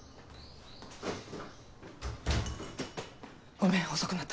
ごめん遅くなった。